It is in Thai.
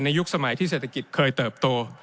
ยุคสมัยที่เศรษฐกิจเคยเติบโต